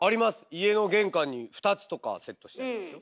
家の玄関に２つとかセットしてありますよ。